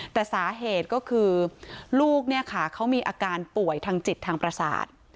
แต่สาเหตุก็คือลูกเนี่ยค่ะเขามีอาการป่วยทางจิตทางประสาท